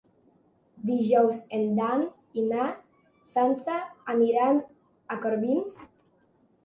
Dijous en Dan i na Sança aniran a Corbins.